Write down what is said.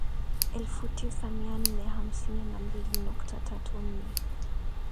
elfu tisa mia nne hamsini na mbili nukta tatu nne